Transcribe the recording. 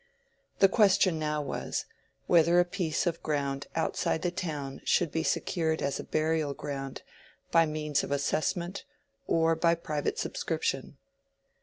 The question now was, whether a piece of ground outside the town should be secured as a burial ground by means of assessment or by private subscription.